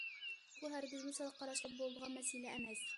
بۇ ھەرگىزمۇ سەل قاراشقا بولىدىغان مەسىلە ئەمەس.